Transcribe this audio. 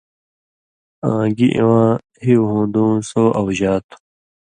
آں گی اِواں ہیُو ہُون٘دُوں سو اؤژا تھُو۔